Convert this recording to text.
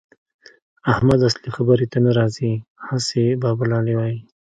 احمد اصلي خبرې ته نه راځي؛ هسې بابولالې وايي.